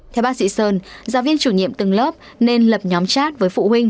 theo bác sĩ sơn giáo viên chủ nhiệm từng lớp nên lập nhóm chat với phụ huynh